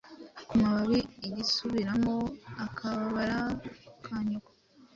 kumababi Igusubiramo akababaro ka nyoko.